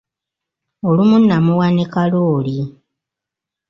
Olumu namuwa ne kalooli.